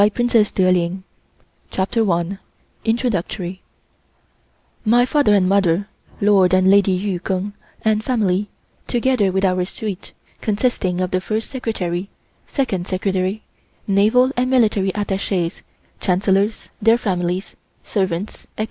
CONCLUSION TWO YEARS IN THE FORBIDDEN CITY MY father and mother, Lord and Lady Yu Keng, and family, together with our suite consisting of the First Secretary, Second Secretary, Naval and Military Attaches, Chancellors, their families, servants, etc.